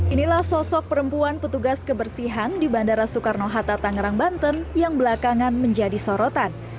inilah sosok perempuan petugas kebersihan di bandara soekarno hatta tangerang banten yang belakangan menjadi sorotan